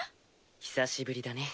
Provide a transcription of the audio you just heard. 久しぶりだね。